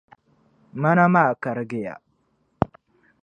Maana maa karigiya.